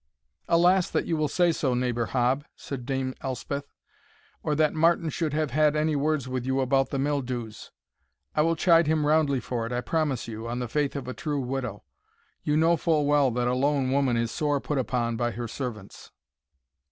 "Alas, that you will say so, neighbour Hob," said Dame Elspeth, "or that Martin should have had any words with you about the mill dues! I will chide him roundly for it, I promise you, on the faith of a true widow. You know full well that a lone woman is sore put upon by her servants."